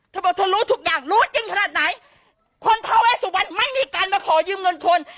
เธอบอกเธอรู้ทุกอย่างรู้จริงขนาดไหนคนทาเวสุวรรณไม่มีการมาขอยืมเงินคน